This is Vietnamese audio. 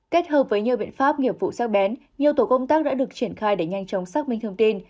kết hợp với nhiều biện pháp nghiệp vụ sát bén nhiều tổ công tác đã được triển khai để nhanh chóng xác minh thông tin